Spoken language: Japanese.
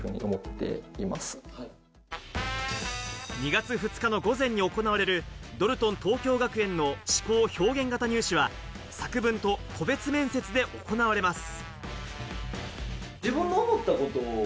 ２月２日の午前に行われるドルトン東京学園の思考・表現型入試は、作文と個別面接で行われます。